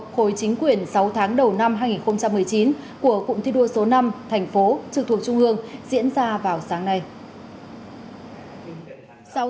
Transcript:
khối chính quyền sáu tháng đầu năm hai nghìn một mươi chín của cụm thi đua số năm thành phố trực thuộc trung ương diễn ra vào sáng nay